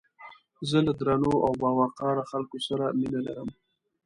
زه له درنو او باوقاره خلکو سره مينه لرم